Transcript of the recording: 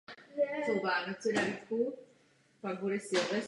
V architektuře tak došlo k výraznému obratu a velkým změnám.